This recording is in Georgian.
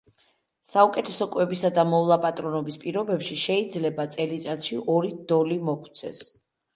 საუკეთესო კვებისა და მოვლა-პატრონობის პირობებში შეიძლება წელიწადში ორი დოლი მოგვცეს.